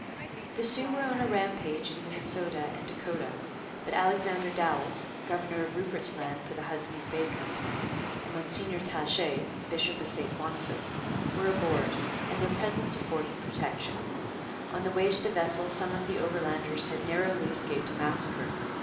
The Sioux were on a rampage in Minnesota and Dakota, but Alexander Dallas, governor of Rupert's Land for the Hudson's Bay Company, and Mgr Taché, bishop of St Boniface, were aboard, and their presence afforded protection. On the way to the vessel some of the Overlanders had narrowly escaped a massacre.